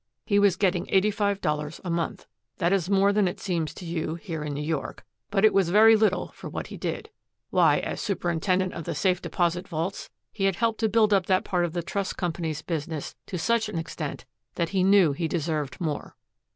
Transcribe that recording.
He was getting eighty five dollars a month. That is more than it seems to you here in New York. But it was very little for what he did. Why, as superintendent of the safe deposit vaults he had helped to build up that part of the trust company's business to such an extent that he knew he deserved more.